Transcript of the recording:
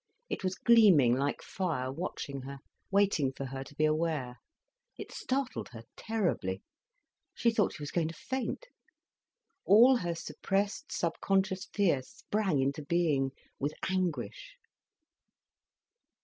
It was gleaming like fire, watching her, waiting for her to be aware. It startled her terribly. She thought she was going to faint. All her suppressed, subconscious fear sprang into being, with anguish.